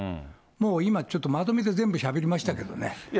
もう今ちょっとまとめて全部しゃべりましたけどね。